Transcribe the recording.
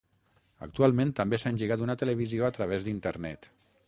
Actualment també s'ha engegat una televisió a través d'internet.